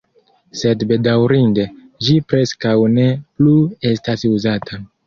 Sed bedaŭrinde, ĝi preskaŭ ne plu estas uzata.